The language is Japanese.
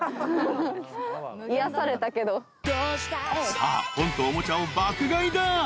［さあ本とおもちゃを爆買いだ］